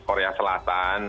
di korea selatan